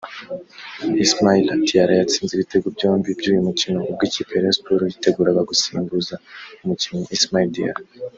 Ismaila Diarra yatsinze ibitego byombi by’uyu mukinoUbwo ikipe ya Rayon Sports yiteguraga gusimbuza umukinnyi Ismaila Diarra